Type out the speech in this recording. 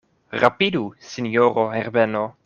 Rapidu, sinjoro Herbeno.